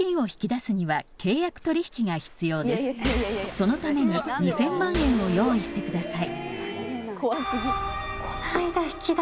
「そのために２０００万円を用意してください」